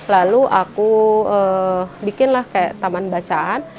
lalu aku bikin lah kayak taman bacaan